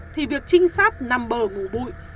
thì việc trinh sát nằm bờ ngủ bụi